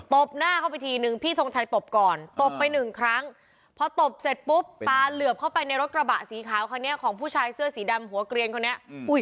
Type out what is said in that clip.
บหน้าเข้าไปทีนึงพี่ทงชัยตบก่อนตบไปหนึ่งครั้งพอตบเสร็จปุ๊บปลาเหลือบเข้าไปในรถกระบะสีขาวคันนี้ของผู้ชายเสื้อสีดำหัวเกลียนคนนี้